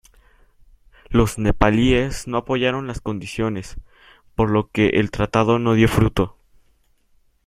Los nepalíes no apoyaron las condiciones, por lo que el tratado no dio fruto.